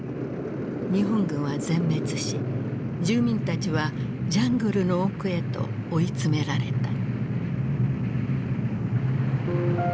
日本軍は全滅し住民たちはジャングルの奥へと追い詰められた。